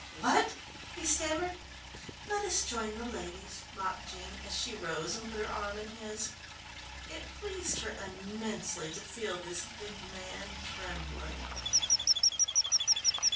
"Wha what?" he stammered. "Let us join the ladies," mocked Jean, as she rose and put her arm in his. It pleased her immensely to feel this big man trembling.